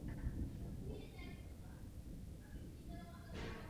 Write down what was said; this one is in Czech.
Mezi dnešní nejznámější dalekohledy patří Hubbleův vesmírný dalekohled.